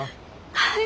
はい。